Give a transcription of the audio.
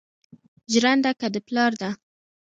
ژرنده که د پلار ده